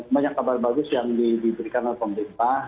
banyak kabar bagus yang diberikan oleh pemerintah